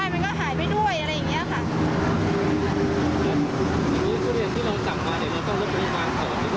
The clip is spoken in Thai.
อืมลูกค้าหายไปอะไรอย่างนี้ค่ะ